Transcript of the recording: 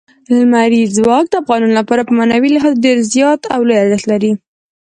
لمریز ځواک د افغانانو لپاره په معنوي لحاظ ډېر زیات او لوی ارزښت لري.